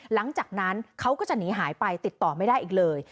หลังจากนั้นเขาก็จะหนีหายไปติดต่อไม่ได้อีกเลย